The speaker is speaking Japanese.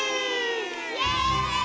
イエーイ！